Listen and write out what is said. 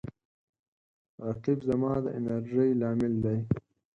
رقیب زما د انرژۍ لامل دی